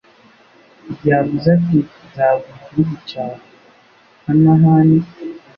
igihe avuze ati Nzaguha igihugu cya Kanahani